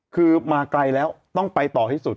คือมาไกลแล้วต้องไปต่อให้สุด